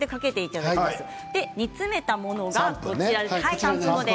煮詰めたものがこちらにあります。